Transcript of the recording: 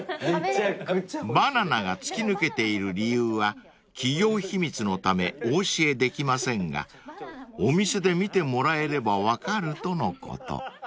［バナナが突き抜けている理由は企業秘密のためお教えできませんがお店で見てもらえれば分かるとのこと］